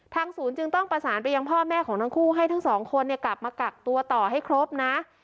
ศูนย์จึงต้องประสานไปยังพ่อแม่ของทั้งคู่ให้ทั้งสองคนกลับมากักตัวต่อให้ครบนะ